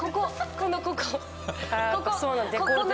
ここここ。